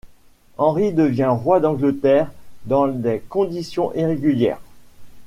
Henri devient roi d'Angleterre dans des conditions irrégulières.